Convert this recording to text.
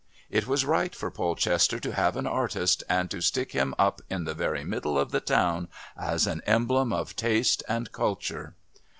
It was right for Polchester to have an artist and to stick him up in the very middle of the town as an emblem of taste and culture.